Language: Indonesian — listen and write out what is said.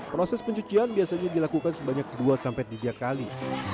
proses pencucian biasanya dilakukan sebanyak dua sampai tiga kali